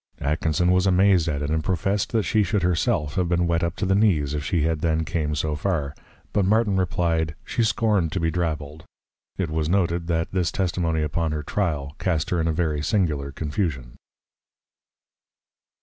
Atkinson was amazed at it; and professed, that she should her self have been wet up to the knees, if she had then came so far; but Martin reply'd, She scorn'd to be Drabbled! It was noted, that this Testimony upon her Trial, cast her in a very singular Confusion.